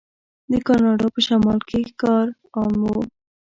د کاناډا په شمال کې ښکار عام و.